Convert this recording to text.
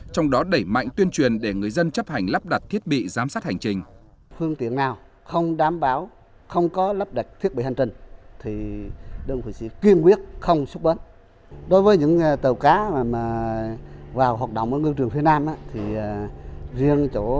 trong đó đẩy mạnh tuyên truyền để người dân chấp hành lắp đặt thiết bị giám sát hành trình